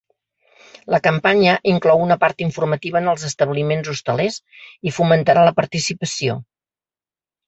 La campanya inclou una part informativa en els establiments hostalers i fomentarà la participació.